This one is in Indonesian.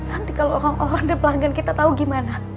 nanti kalo orang orang dan pelanggan kita tau gimana